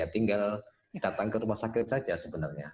tinggal datang ke rumah sakit saja sebenarnya